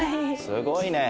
すごいね。